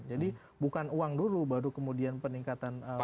jadi bukan uang dulu kemudian baru kemudian peningkatan pelayanan publik